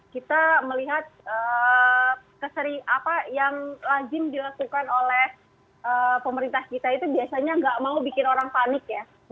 kita melihat keseri apa yang lazim dilakukan oleh pemerintah kita itu biasanya nggak mau bikin orang panik ya